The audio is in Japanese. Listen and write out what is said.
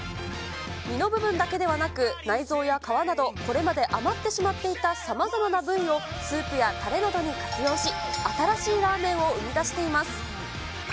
身の部分だけではなく、内臓や皮など、これまで余ってしまっていたさまざまな部位を、スープやたれなどに活用し、新しいラーメンを生み出しています。